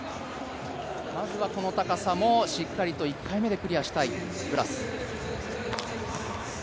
まずはこの高さもしっかりと１回目でクリアしたい。